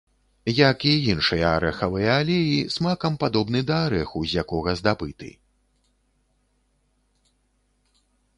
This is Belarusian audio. Як і іншыя арэхавыя алеі, смакам падобны да арэху, з якога здабыты.